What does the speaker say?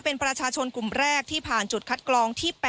เป็นประชาชนกลุ่มแรกที่ผ่านจุดคัดกรองที่๘